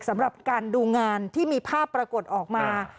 สำหรับการดูงานที่มีภาพปรากฏออกมา